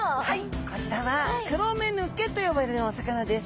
こちらはクロメヌケと呼ばれるお魚です。